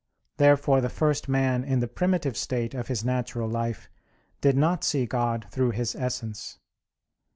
Therefore the first man in the primitive state of his natural life did not see God through His Essence.